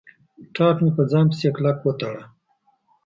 ټاټ مې په ځان پسې کلک و تاړه.